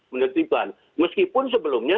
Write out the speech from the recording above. menentukan meskipun sebelumnya